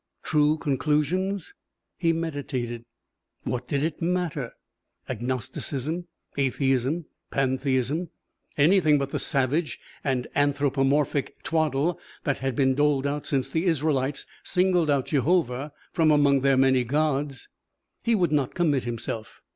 True conclusions? He meditated. What did it matter agnosticism, atheism, pantheism anything but the savage and anthropomorphic twaddle that had been doled out since the Israelites singled out Jehovah from among their many gods. He would not commit himself.